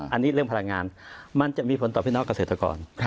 อันนี้เรื่องพลังงานมันจะมีผลต่อพี่น้องเกษตรกร